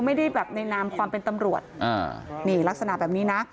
ไม่ได้แบบในนามความเป็นตำรวจอ่านี่ลักษณะแบบนี้นะ